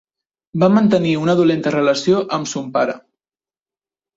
Va mantenir una dolenta relació amb son pare.